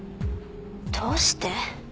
「どうして」？